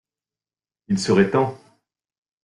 Il serait temps.